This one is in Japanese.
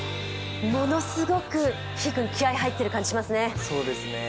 ものすごく気合いが入っている感じがじしますね。